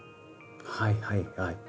はいはいはい。